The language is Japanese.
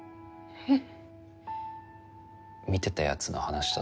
えっ？